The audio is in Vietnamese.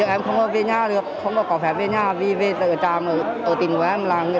em không có về nhà được không có có phép về nhà vì về ở tràm ở tỉnh của em là người